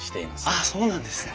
あっそうなんですね。